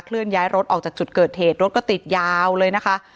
เลื่อนย้ายรถออกจากจุดเกิดเหตุรถก็ติดยาวเลยนะคะ